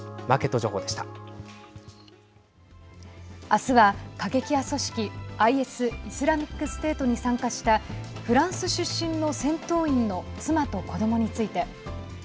あすは過激派組織ＩＳ＝イスラミックステートに参加したフランス出身の戦闘員の妻と子どもについて。